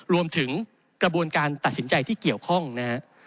รวมถึงกระบวนการตัดสินใจที่เกี่ยวข้องนะฮะ